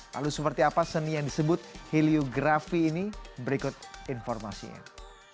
lalu seperti apa seni yang disebut heliografi ini berikut informasinya